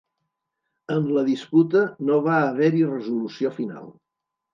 En la disputa no va haver-hi resolució final.